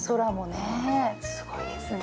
すごいですね。